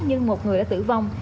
nhưng một người đã tử vong